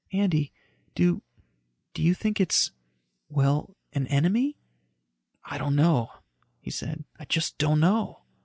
"Andy, do ... do you think it's ... well, an enemy?" "I don't know," he said. "I just don't know."